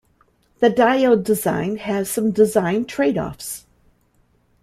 The diode design has some design trade-offs.